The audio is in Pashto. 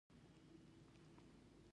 د بادام دانه د حافظې لپاره وکاروئ